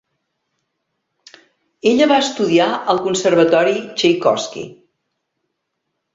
Ella va estudiar al Conservatori Txaikovski.